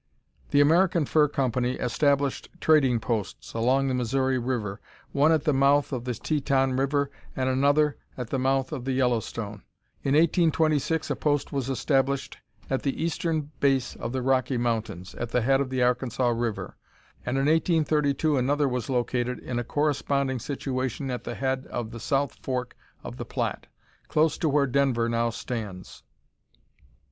The American Fur Company established trading posts along the Missouri River, one at the mouth of the Tetón River and another at the mouth of the Yellowstone. In 1826 a post was established at the eastern base of the Rocky Mountains, at the head of the Arkansas River, and in 1832 another was located in a corresponding situation at the head of the South Fork of the Platte, close to where Denver now stands.